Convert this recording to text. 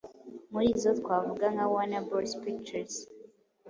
Muri izo twavuga nka Warner Bros Pictures,